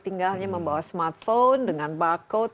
tinggalnya membawa smartphone dengan barcode